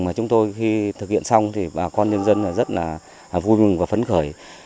mà chúng tôi khi thực hiện xong thì bà con nhân dân rất là vui mừng và phấn khởi